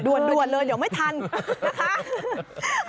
ด่วนเลยเดี๋ยวไม่ทันนะคะ